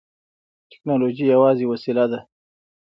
ټیکنالوژي یوازې وسیله ده.